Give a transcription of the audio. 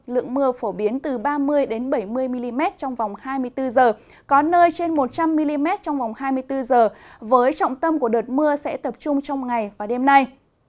lượng mưa phổ biến từ ba mươi bảy mươi mm trong vòng hai mươi bốn h có nơi trên một trăm linh mm trong vòng hai mươi bốn h với trọng tâm của đợt mưa sẽ tập trung trong ngày và đêm nay